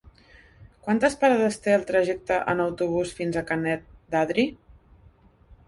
Quantes parades té el trajecte en autobús fins a Canet d'Adri?